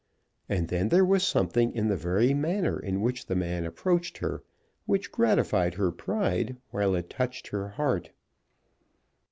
And then there was something in the very manner in which the man approached her, which gratified her pride while it touched her heart.